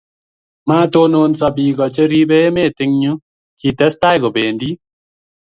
Matononso Biko cheribe emet eng yuu kitestai kobendi